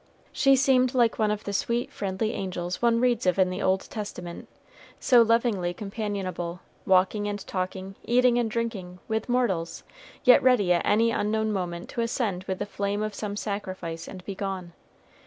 She seemed like one of the sweet friendly angels one reads of in the Old Testament, so lovingly companionable, walking and talking, eating and drinking, with mortals, yet ready at any unknown moment to ascend with the flame of some sacrifice and be gone.